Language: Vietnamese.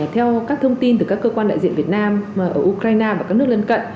theo các thông tin từ các cơ quan đại diện việt nam ở ukraine và các nước lân cận